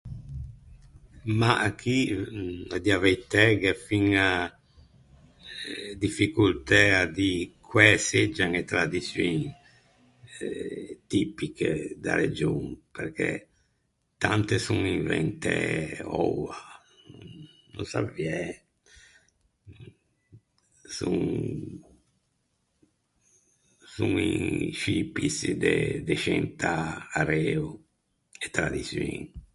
Mah chì à dî a veitæ gh’é fiña difficoltæ à dî quæ seggian e tradiçioin tipiche da region, perché tante son inventæ oua. No saviæ. Son son in scî pissi de de scentâ areo e tradiçioin.